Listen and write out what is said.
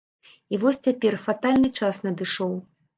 І вось цяпер фатальны час надышоў.